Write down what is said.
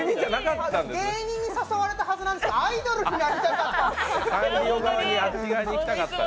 芸人に誘われたはずなんですけどアイドルになりたかった。